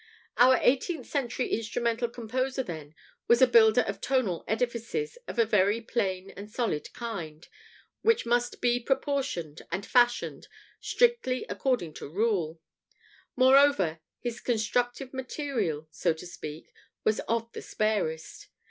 Our eighteenth century instrumental composer, then, was a builder of tonal edifices of a very plain and solid kind, which must be proportioned and fashioned strictly according to rule. Moreover, his constructive material, so to speak, was of the sparest.